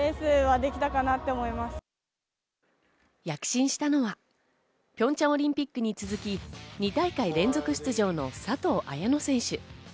躍進したのはピョンチャンオリンピックに続き、２大会連続出場の佐藤綾乃選手。